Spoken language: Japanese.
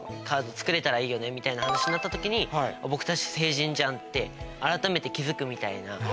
カード作れたらいいよねみたいな話になった時に。って改めて気付くみたいな。